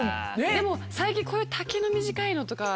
でも最近こういう丈の短いのとか。